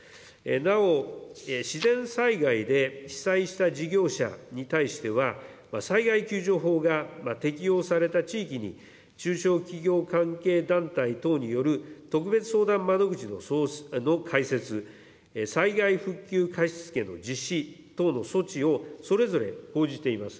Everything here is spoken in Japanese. なお、自然災害で被災した事業者に対しては、災害救助法が適用された地域に、中小企業関係団体等による特別相談窓口の開設、災害復旧貸し付けの実施等の措置を、それぞれ講じています。